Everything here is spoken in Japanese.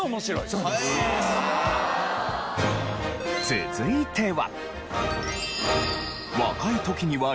続いては。